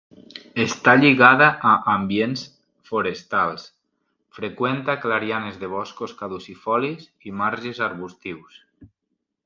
Està lligada a ambients forestals: freqüenta clarianes de boscos caducifolis i marges arbustius.